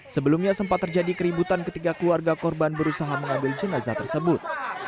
sebelumnya sempat terjadi keributan ketika keluarga korban berusaha mengambil jenazah tersebut